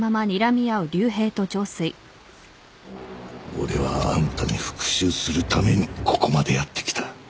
俺はあんたに復讐するためにここまでやってきた。